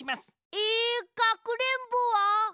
えっかくれんぼは？